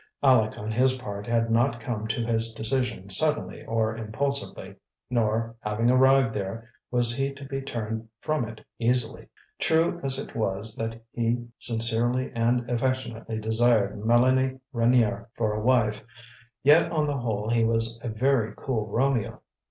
Aleck, on his part, had not come to his decision suddenly or impulsively; nor, having arrived there, was he to be turned from it easily. True as it was that he sincerely and affectionately desired Mélanie Reynier for a wife, yet on the whole he was a very cool Romeo.